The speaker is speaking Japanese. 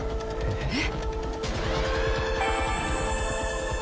えっ？